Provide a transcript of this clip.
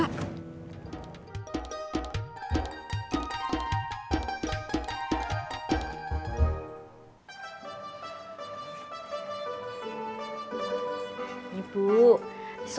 tati mak cari kue